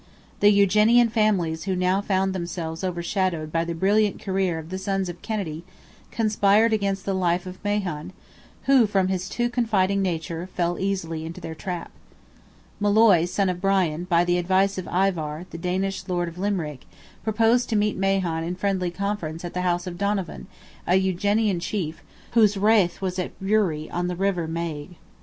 The Eugenian families who now found themselves overshadowed by the brilliant career of the sons of Kennedy, conspired against the life of Mahon, who, from his too confiding nature, fell easily into their trap. Molloy, son of Bran, by the advice of Ivar, the Danish lord of Limerick, proposed to meet Mahon in friendly conference at the house of Donovan, an Eugenian chief, whose rath was at Bruree, on the river Maigue.